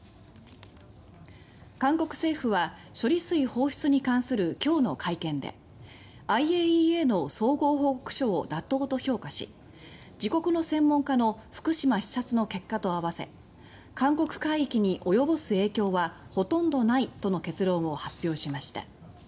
韓国政府は処理水放出に関する今日の会見でＩＡＥＡの総合報告書を妥当と評価し自国の専門家の福島視察の結果と合わせ「韓国海域に及ぼす影響はほとんどない」との結論を発表しました。